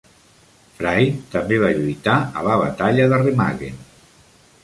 Frye també va lluitar a la Batalla de Remagen.